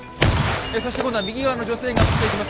そして今度は右側の女性が撃っていきます。